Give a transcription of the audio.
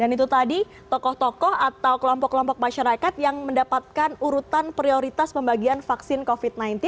dan itu tadi tokoh tokoh atau kelompok kelompok masyarakat yang mendapatkan urutan prioritas pembagian vaksin covid sembilan belas